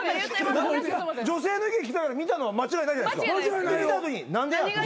女性抜きにきたから見たのは間違いないじゃないですかで「何でや」って。